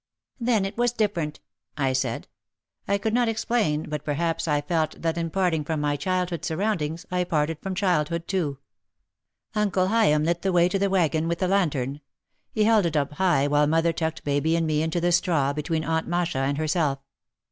"Then it was different," I said. I could not explain but perhaps I felt that in parting from my childhood surroundings I parted from childhood, too. Uncle Hayim lit the way to the wagon with a lantern. He held it up high while mother tucked baby and me into the straw, between Aunt Masha and herself.